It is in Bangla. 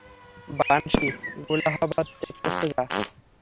বানশি, গুলাহাবাদ চেকপোস্টে যা।